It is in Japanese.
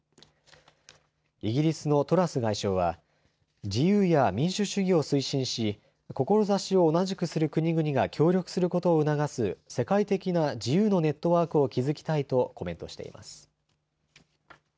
イギリスのトラス外相は自由や民主主義を推進し、志を同じくする国々が協力することを促す世界的な自由のネットワークを築きたいとコメントしています。